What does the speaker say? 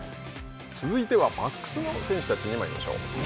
続いてはバックスの選手たちにまいりましょう。